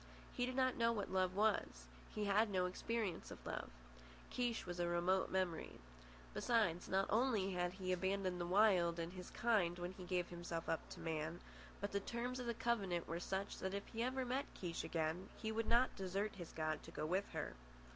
He did not know what love was. He had no experience of love. Kiche was a remote memory. Besides, not only had he abandoned the Wild and his kind when he gave himself up to man, but the terms of the covenant were such that if ever he met Kiche again he would not desert his god to go with her.